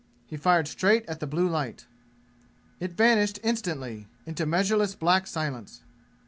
He fired straight at the blue light. It vanished instantly, into measureless black silence.